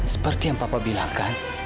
seperti yang papa bilang kan